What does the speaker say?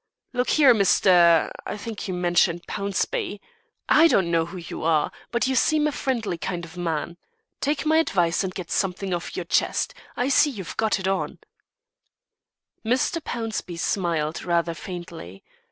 "Look here, Mr. I think you mentioned Pownceby; I don't know who you are, but you seem a friendly kind of man. Take my advice and get something off your chest. I see you've got it on." Mr. Pownceby smiled, rather faintly.